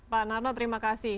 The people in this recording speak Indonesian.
pak narno terima kasih